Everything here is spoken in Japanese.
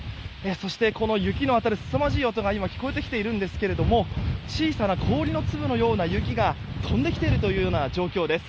そして、この雪のすさまじい音が今聞こえてきているんですけれども小さな氷の粒のような雪が飛んできているような状況です。